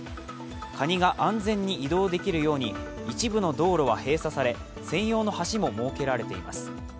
カニが安全に移動できるように一部の道路は閉鎖され、専用の橋も設けられています。